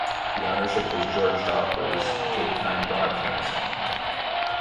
The ownership was George Dacre's "Goodtime Broadcasting".